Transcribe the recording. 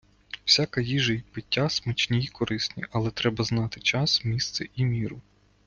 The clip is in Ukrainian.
Всяка їжа і пиття смачні й корисні, але треба знати час, місце і міру.